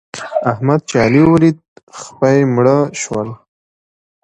احمد چې علي وليد؛ خپه يې مړه شول.